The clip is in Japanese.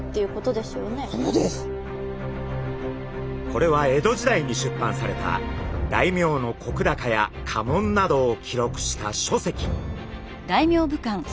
これは江戸時代に出版された大名の石高や家紋などを記録した書籍。